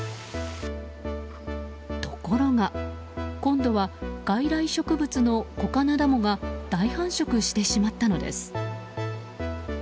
ところが、今度は外来植物のコカナダモが大繁殖してしまったのです。